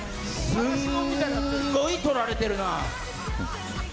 すんごい撮られてる。